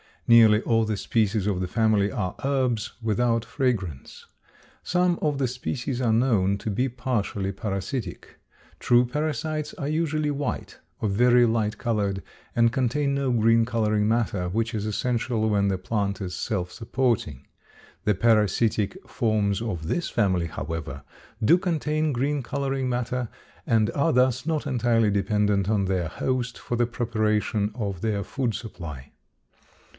Nearly all the species of the family are herbs, without fragrance. Some of the species are known to be partially parasitic. True parasites are usually white or very light colored and contain no green coloring matter, which is essential when the plant is self supporting. The parasitic forms of this family, however, do contain green coloring matter and are thus not entirely dependent on their host for the preparation of their food supply.